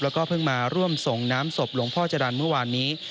แล้วก็เพิ่งมาร่วมส่งน้ำศพหลวงพ่อจรรย์เมื่อวานนี้